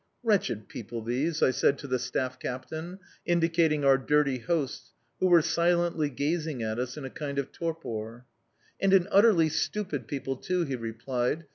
"Wretched people, these!" I said to the staff captain, indicating our dirty hosts, who were silently gazing at us in a kind of torpor. "And an utterly stupid people too!" he replied.